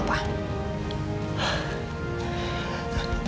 aku mau pergi